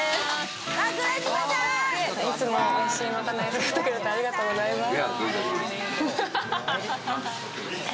いつも美味しいまかない作ってくれて、ありがとうございます。